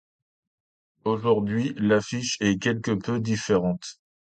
Aujourd'hui, l'affiche est quelque peu différente.